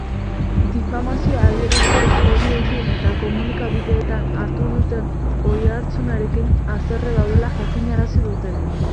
Difamazio adierazpen horiekin eta komunikabideetan hartu duten ohiartzunarekin haserre daudela jakinarazi dute.